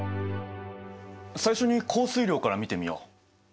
最初に降水量から見てみよう。